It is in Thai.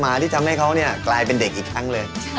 ที่ทำให้เขากลายเป็นเด็กอีกครั้งเลย